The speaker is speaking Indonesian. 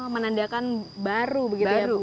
menandakan baru begitu ya